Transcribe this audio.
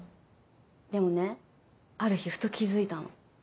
でもねある日ふと気付いたの。